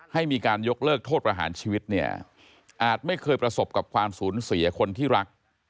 ให้มีการยกเลิกโทษประหารชีวิตเนี่ยอาจไม่เคยประสบกับความสูญเสียคนที่รัก